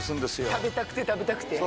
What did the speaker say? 食べたくて食べたくて？